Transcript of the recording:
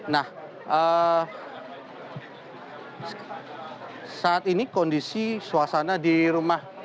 nah saat ini kondisi suasana di rumah